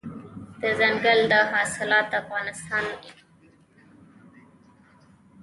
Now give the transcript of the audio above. دځنګل حاصلات د افغان نجونو د پرمختګ لپاره فرصتونه برابروي.